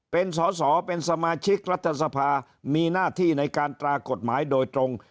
เป็นสอสอเป็นสมาชิกรัฐสภามีหน้าที่ในการตรากฎหมายโดยตรง